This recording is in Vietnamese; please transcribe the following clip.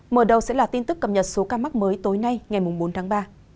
mở đầu sẽ là tin tức cập nhật số ca mắc mới tối nay ngày bốn tháng ba